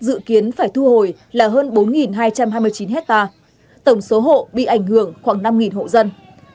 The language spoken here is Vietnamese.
dự kiến phải thu hồi là hơn bốn hai trăm hai mươi chín hectare tổng số hộ bị ảnh hưởng khoảng năm hộ dân